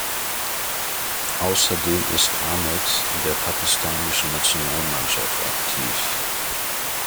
Außerdem ist Ahmed in der pakistanischen Nationalmannschaft aktiv.